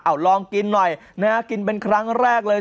เอาลองกินหน่อยนะฮะกินเป็นครั้งแรกเลย